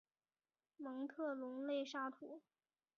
蒙特龙勒沙托。